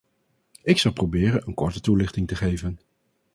Ik zal proberen een korte toelichting te geven.